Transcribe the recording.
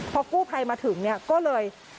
พอกู้ภัยมาถึงเนี่ยก็เลย